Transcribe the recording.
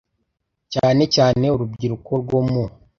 cyane cyane urubyiruko rwo mu